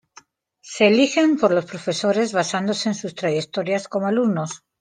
Se eligen por los profesores basándose en sus trayectorias como alumnos.